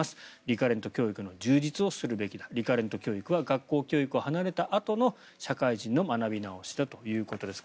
リカレント教育の充実をするべきだリカレント教育は学校教育を離れたあとの社会人の学び直しだということです。